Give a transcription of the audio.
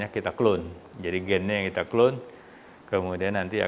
vaksinium untuk menimbulkan protein rekombinan di dunia